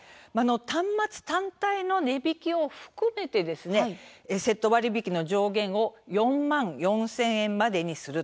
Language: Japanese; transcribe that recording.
端末単体の値引きを含めセット割引の上限を４万４０００円までにします。